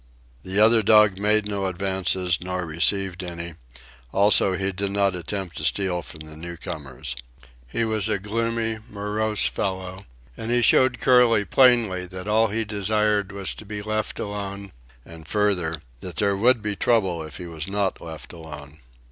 The other dog made no advances, nor received any; also, he did not attempt to steal from the newcomers. He was a gloomy, morose fellow, and he showed Curly plainly that all he desired was to be left alone, and further, that there would be trouble if he were not left alone.